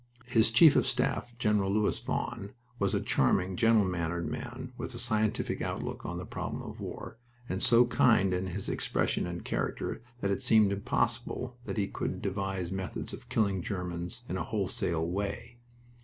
His chief of staff, Gen. Louis Vaughan, was a charming, gentle mannered man, with a scientific outlook on the problems of war, and so kind in his expression and character that it seemed impossible that he could devise methods of killing Germans in a wholesale way.